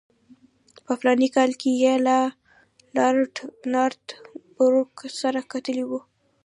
په فلاني کال کې یې له لارډ نارت بروک سره کتلي وو.